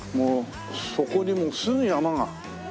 そこにもうすぐ山がねっ。